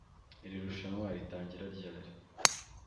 Iri rushanwa ritangira ryari